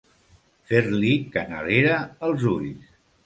Fer-li canalera els ulls.